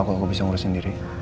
kalau aku bisa ngurusin sendiri